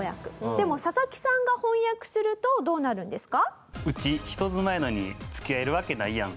でもササキさんが翻訳するとどうなるんですか？